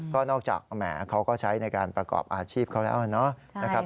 ก็นอกจากแหมเขาก็ใช้ในการประกอบอาชีพเขาแล้วนะครับ